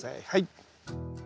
はい。